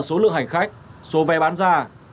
số lượng hành khách số vé bán ra